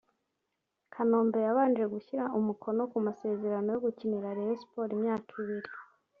Kanombe yabanje gushyira umukono ku masezerano yo gukinira Rayon Sport imyaka ibiri